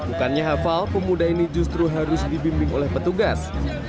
bukannya hafal pemuda ini justru harus dibimbing oleh petugas